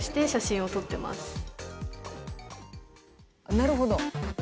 なるほど。